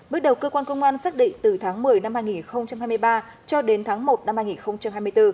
bước đầu cơ quan công an xác định từ tháng một mươi năm hai nghìn hai mươi ba cho đến tháng một năm hai nghìn hai mươi bốn